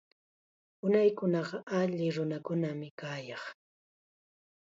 Unaykunaqa alli nunakunam kayaq.